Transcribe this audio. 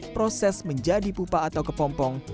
proses menjadi pupa atau kepompong